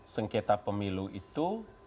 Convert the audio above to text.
sengketa pemilu itu